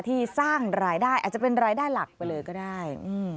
ที่สร้างรายได้อาจจะเป็นรายได้หลักไปเลยก็ได้